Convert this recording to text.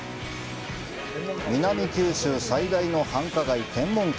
南九州最大の繁華街、天文館。